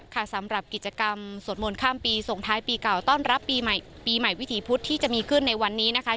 ค่ะสำหรับกิจกรรมสวดมนต์ข้ามปีส่งท้ายปีเก่าต้อนรับปีใหม่ปีใหม่วิถีพุธที่จะมีขึ้นในวันนี้นะคะ